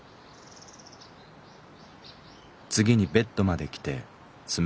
「次にベッドまで来て爪をとぐ。